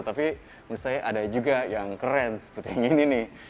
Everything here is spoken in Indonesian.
tapi menurut saya ada juga yang keren seperti yang ini nih